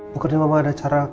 bukannya mama ada cara